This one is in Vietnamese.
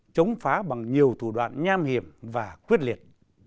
chống phá bằng nhiều thủ đoạn nham hiểm và quyết liệt